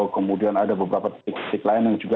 kemudian ada beberapa titik titik lain yang juga